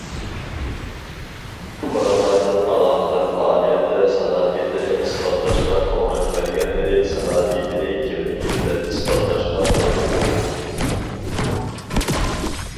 پۇقرالاردىن ئالاقىدار پائالىيەتتە سالاھىيىتىنى ئىسپاتلاشقا توغرا كەلگەنلىرى سالاھىيىتىنى كىملىكى بىلەن ئىسپاتلاشقا ھوقۇقلۇق.